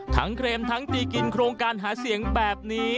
เครมทั้งตีกินโครงการหาเสียงแบบนี้